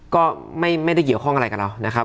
ก็ไม่ได้เกี่ยวข้องอะไรกับเรานะครับ